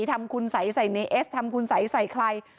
ทำคุณสัยใส่ในเอสทำคุณสัยใส่ใคร